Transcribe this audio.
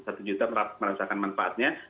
satu juta merasakan manfaatnya